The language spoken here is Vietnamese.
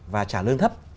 và trả lương thấp